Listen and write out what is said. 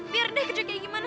biar deh kejut kayak gimana